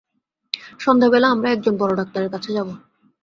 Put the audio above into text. সন্ধ্যাবেলা আমরা একজন বড় ডাক্তারের কাছে যাব।